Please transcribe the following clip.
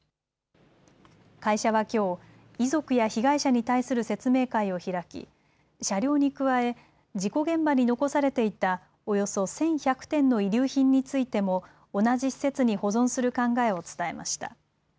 会社はきょう遺族や被害者に対する説明会を開き車両に加え、事故現場に残されていたおよそ１１００点の遺留品についても同じ施設に保存する考えを伝えました。